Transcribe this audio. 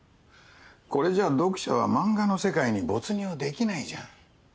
これじゃ読者は漫画の世界に没入できないじゃん。